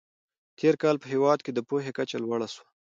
تېر کال په هېواد کې د پوهې کچه لوړه سوه.